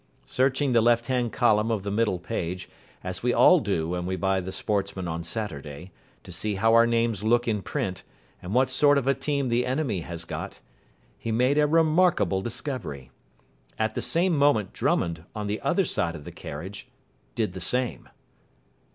Searching the left hand column of the middle page, as we all do when we buy the Sportsman on Saturday to see how our names look in print, and what sort of a team the enemy has got he made a remarkable discovery. At the same moment Drummond, on the other side of the carriage, did the same.